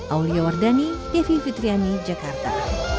aulia wardani devi fitriani jakarta